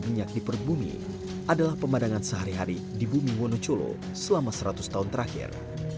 minyak di perbumi adalah pemandangan sehari hari di bumi wonocolo selama seratus tahun terakhir